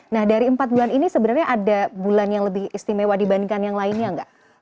nah dari empat bulan ini sebenarnya ada bulan yang lebih istimewa dibandingkan yang lainnya nggak